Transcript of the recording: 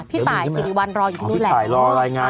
พี่ตายสิริวัลรออยู่ที่นู่นแหละ